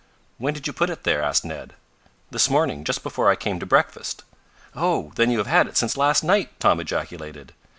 "When did you put it there?" asked Ned. "This morning, just before I came to breakfast." "Oh, then you have had it since last night!" Tom ejaculated.